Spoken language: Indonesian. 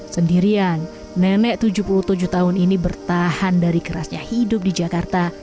sendirian nenek tujuh puluh tujuh tahun ini bertahan dari kerasnya hidup di jakarta